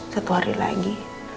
satu hari lagi